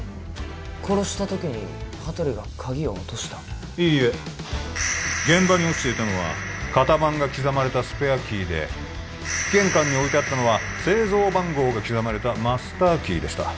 殺した時に羽鳥が鍵を落としたいいえ現場に落ちていたのは型番が刻まれたスペアキーで玄関に置いてあったのは製造番号が刻まれたマスターキーでした